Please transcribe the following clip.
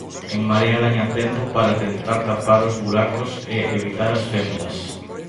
En Marea gaña tempo para tentar tapar os buracos e evitar as fendas.